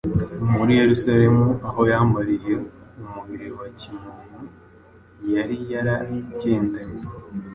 Muri Yerusalemu aho yambariye umubiri wa kimuntu, yari yaragendanye